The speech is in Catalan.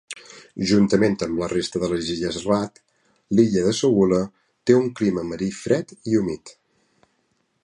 Juntament amb la resta de les illes Rat, l'illa de Segula té un clima marí fred i humit.